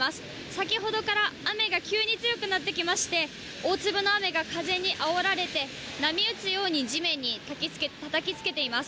先ほどから雨が急に強くなってきまして大粒の雨が風にあおられて波打つように地面にたたきつけています。